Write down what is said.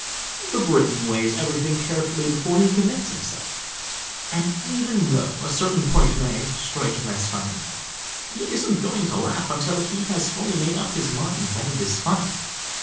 The Briton weighs everything carefully before he commits himself, and even though a certain point may strike him as funny, he isn't going to laugh until he has fully made up his mind that it is funny.